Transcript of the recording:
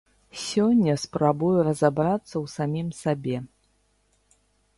Сёння спрабую разабрацца ў самім сабе.